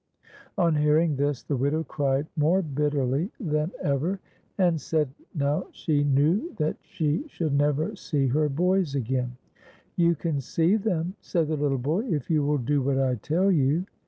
On hearing this the widow cried more bitterlv than TJFSy 'S SILVER BELL. 139 ever, and said now she know that she £ hould never see her boys again "You can see them," said the httlc boy, " if you will do what I tell you."